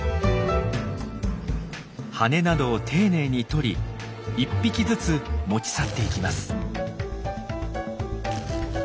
羽などを丁寧に取り１匹ずつ持ち去っていきます。